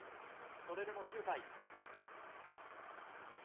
それでも９回。